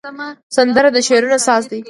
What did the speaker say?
سندره د شعرونو ساز ده